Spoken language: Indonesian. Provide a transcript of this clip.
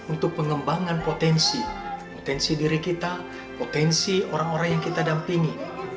untuk pengembangan potensi potensi diri kita potensi orang orang yang kita dampingi